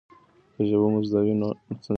که ژبه مو زده وي نو ستونزې نه راځي.